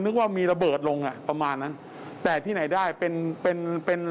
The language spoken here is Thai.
นึกว่ามีระเบิดลงอ่ะประมาณนั้นแต่ที่ไหนได้เป็นเป็นเป็นเป็น